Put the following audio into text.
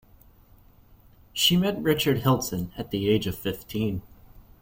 She met Richard Hilton at the age of fifteen.